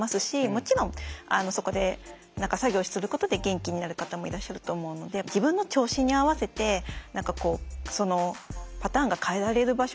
もちろんそこで何か作業することで元気になる方もいらっしゃると思うので自分の調子に合わせて何かこうそのパターンが変えられる場所